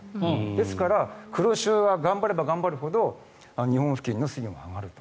ですから黒潮が頑張れば頑張るほど日本付近の水温が上がると。